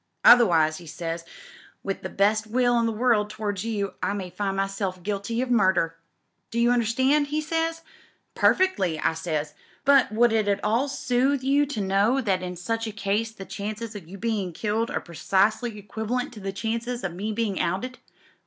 Otherwise,' he says, *with the best will in the world towards you, I may find myself guilty of murderl Do you understand?' he says. 'Perfectly,' I says, 'but would it at all soothe you to know that in such a case the chances o' your being killed are precisely equivalent to the chances o' me being outed.'